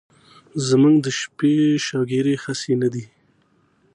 زمونږ د شپې شوګيرې هسې نه دي